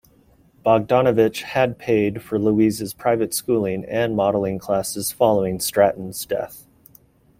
Bogdanovich had paid for Louise's private schooling and modeling classes following Stratten's death.